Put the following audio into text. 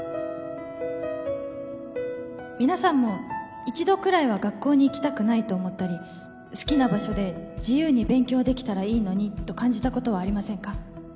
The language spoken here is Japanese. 皆さんも一度くらいは学校に行きたくないと思ったり好きな場所で自由に勉強できたらいいのにと感じたことはありませんか？